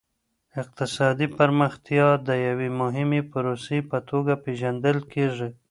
اقتصادي پرمختيا د يوې مهمې پروسې په توګه پېژندل کېږي.